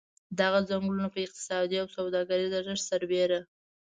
دغه څنګلونه په اقتصادي او سوداګریز ارزښت سربېره.